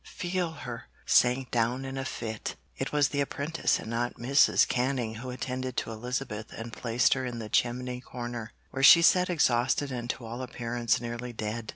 Feel her!' sank down in a fit. It was the apprentice and not Mrs. Canning who attended to Elizabeth and placed her in the chimney corner, where she sat exhausted and to all appearance nearly dead.